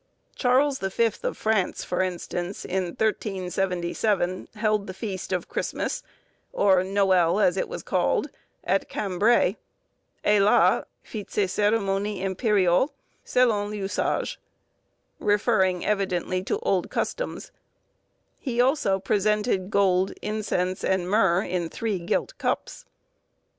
Charles the Fifth, of France, for instance, in 1377, held the feast of Christmas, or Noël as it was called, at Cambray, "et là, fist ses sérimonies impériaulx, selon l'usage," referring evidently to old customs; he also presented gold, incense, and myrrh, in three gilt cups.